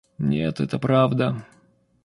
Нет, это правда.